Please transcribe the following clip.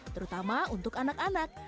terutama untuk anak anak